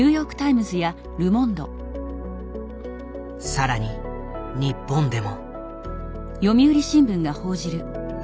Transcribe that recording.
更に日本でも。